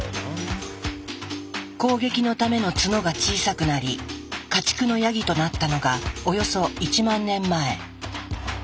攻撃のための角が小さくなり家畜のヤギとなったのがおよそ１万年前。